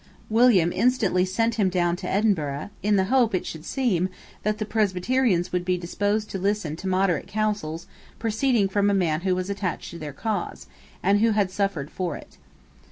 William instantly sent him down to Edinburgh, in the hope, as it should seem, that the Presbyterians would be disposed to listen to moderate counsels proceeding from a man who was attached to their cause, and who had suffered for it.